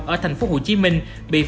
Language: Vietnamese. ở thành phố hồ chí minh